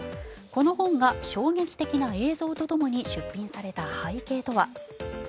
この本が衝撃的な映像とともに出品された背景とは。